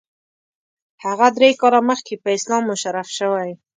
هغه درې کاله مخکې په اسلام مشرف شوی.